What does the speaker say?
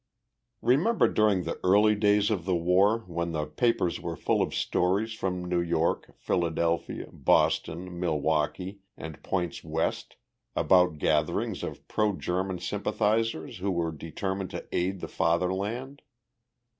Remember during the early days of the war when the papers were full of stories from New York, Philadelphia, Boston, Milwaukee and points west about gatherings of pro German sympathizers who were determined to aid the Fatherland?